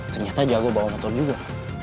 ternyata jago bawa motor juga